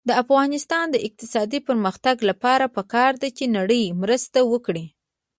د افغانستان د اقتصادي پرمختګ لپاره پکار ده چې نړۍ مرسته وکړي.